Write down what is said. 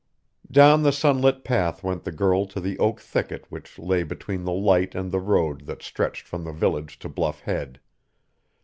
Down the sunlit path went the girl to the oak thicket which lay between the Light and the road that stretched from the village to Bluff Head.